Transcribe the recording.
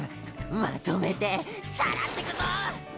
まとめてさらってくぞ！